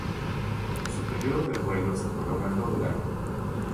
Su periodo de vuelo se prolonga todo el año.